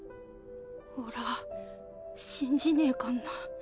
俺ぁ信じねかんな。